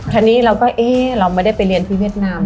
คราวนี้เราก็เอ๊ะเราไม่ได้ไปเรียนที่เวียดนาม